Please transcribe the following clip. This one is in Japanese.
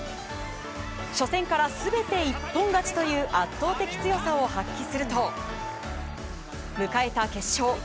初戦から全て一本勝ちという圧倒的強さを発揮すると迎えた決勝。